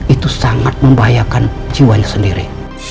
itu sangat membahayakan jiwanya sendiri